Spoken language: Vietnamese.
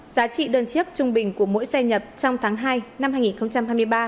giá trị đơn chiếc trung bình của mỗi xe nhập trong tháng hai năm hai nghìn hai mươi ba